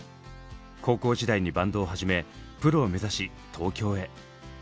高校時代にバンドを始めプロを目指し東京へ。